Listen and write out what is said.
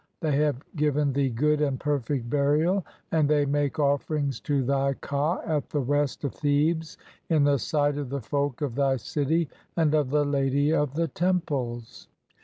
[They have "given thee] good and perfect burial, and they make "offerings to thy ka at the west of Thebes in the "sight of the folk of thy city and of the Lady of the "Temples.